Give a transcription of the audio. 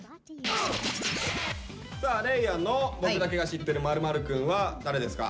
さあ嶺亜の「僕だけが知ってる○○くん」は誰ですか？